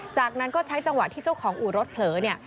จากนั้นก็ใช้จังหวะที่เจ้าของอู่รถเผลอเนี่ย